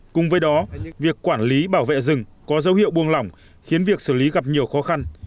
cùng với đó việc quản lý bảo vệ rừng có dấu hiệu buông lỏng khiến việc xử lý gặp nhiều khó khăn